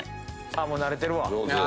もう慣れてるわ。